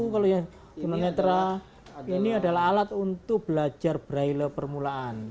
kalau yang tunanetra ini adalah alat untuk belajar braille permulaan